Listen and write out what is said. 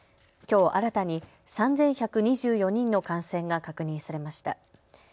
きょう新たに３１２４人の感染が確認されました。